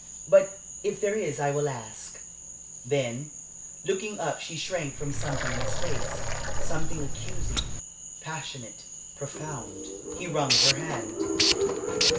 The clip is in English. But if there is I will ask." Then, looking up, she shrank from something in his face something accusing, passionate, profound. He wrung her hand.